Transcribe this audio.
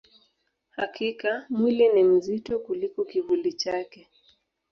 Hakika, mwili ni mzito kuliko kivuli chake.